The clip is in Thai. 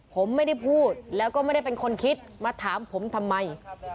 ผมไม่ได้พูดแล้วก็ไม่ได้เป็นคนคิดมาถามผมทำไม